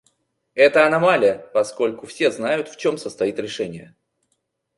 Это аномалия, поскольку все знают, в чем состоит решение.